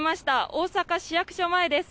大阪市役所前です。